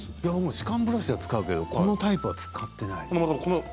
歯間ブラシは使うけれどもこのタイプは使っていない。